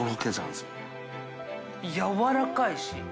やわらかいし。